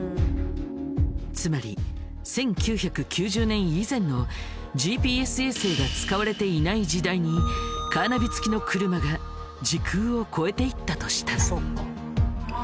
つまり１９９０年以前のＧＰＳ衛星が使われていない時代にカーナビ付きの車がになるが。